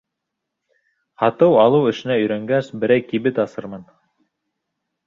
Һатыу-алыу эшенә өйрәнгәс, берәй кибет асырмын.